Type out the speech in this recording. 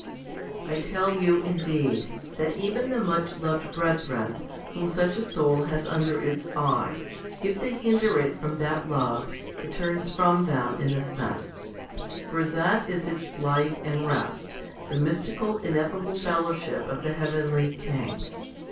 15. I tell you, indeed, that even the much loved brethren, HOMILY IV 29 whom such a soul has under its eye, if they hinder it from that love, it turns from them, in a sense. For that is its life and rest, the mystical, ineffable fellowship of the heavenly King.